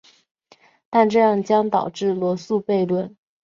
但这样将导致罗素悖论。